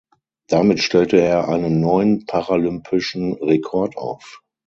Damit stellte er einen neuen paralympischen Rekord auf.